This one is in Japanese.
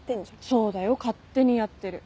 そうだよ勝手にやってる。